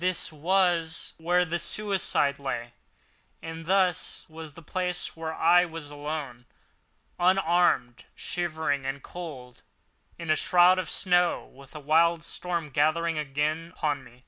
This was where the suicide lay; and this was the place where I was alone—unmanned, shivering with cold in a shroud of snow with a wild storm gathering again upon me!